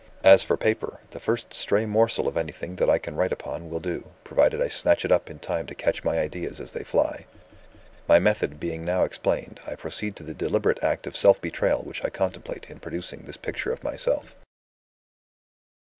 As for paper, the first stray morsel of anything that I can write upon will do, provided I snatch it up in time to catch my ideas as they fly. "My method being now explained, I proceed to the deliberate act of self betrayal which I contemplate in producing this picture of myself."